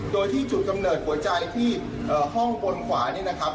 โดยที่จุดกำเนิดหัวใจที่ห้องบนขวานี่นะครับ